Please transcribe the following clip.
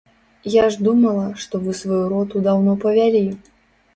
Я ж думала, што вы сваю роту даўно павялі.